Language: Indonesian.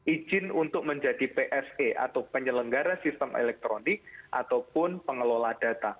izin untuk menjadi pse atau penyelenggara sistem elektronik ataupun pengelola data